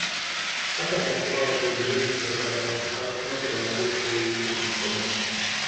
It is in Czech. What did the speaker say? Také pracoval jako úřední překladatel z italštiny pro rakouskou soudní komoru.